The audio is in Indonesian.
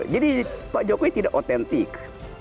jadi pak jokowi tidak otentik